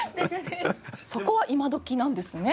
そこは今どきなんですね。